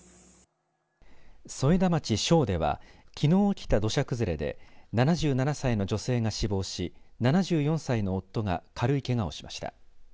添田町庄ではきのう起きた土砂崩れで７７歳の女性が死亡し７４歳の夫が軽いけがをしました。